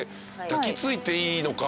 抱き付いていいのか。